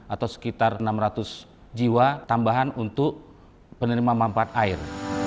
atau sekitar enam ratus jiwa tambahan untuk penerima mampat air